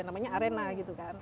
namanya arena gitu kan